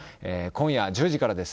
今夜１０時からです。